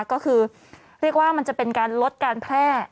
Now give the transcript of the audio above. ก็คือเรียกว่ามันจะเป็นการลดการแพร่